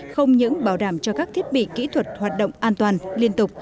không những bảo đảm cho các thiết bị kỹ thuật hoạt động an toàn liên tục